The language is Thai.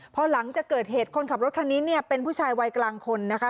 พอหลังจากเกิดเหตุคนขับรถคันนี้เนี่ยเป็นผู้ชายวัยกลางคนนะคะ